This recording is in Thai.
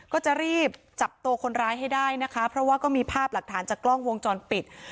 ก็จะรีบจับตัวคนร้ายให้ได้นะคะเพราะว่าก็มีภาพหลักฐานจากกล้องวงจรปิด